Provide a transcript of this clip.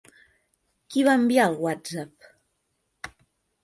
Qui va enviar el WhatsApp?